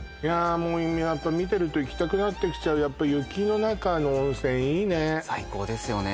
もうやっぱ見てると行きたくなってきちゃうやっぱ最高ですよね